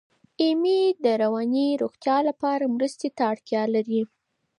ایمي د رواني روغتیا لپاره مرستې ته اړتیا لري.